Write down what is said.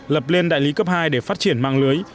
lập lên đại lý cấp hai để phát triển mạng lưới